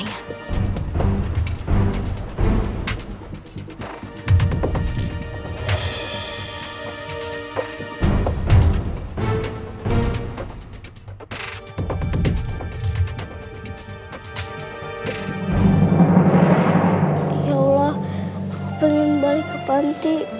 ya allah aku pengen balik ke panti